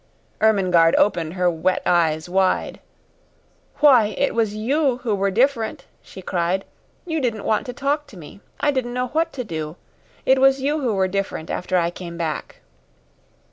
Ermengarde opened her wet eyes wide. "Why, it was you who were different!" she cried. "You didn't want to talk to me. I didn't know what to do. It was you who were different after I came back."